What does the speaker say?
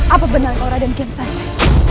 apa benar orang raden kian santa